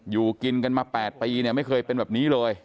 อยู่กินกันมา๘ปีเนี่ยไม่เคยเป็นแบบนี้เลย